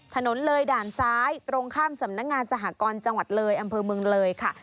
ถนนเลยด่านซ้ายตรงข้ามสำนักงานสหกรจังหวัดเลยอำเภอเมืองเลยค่ะ